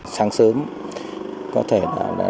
sáng sớm có thể là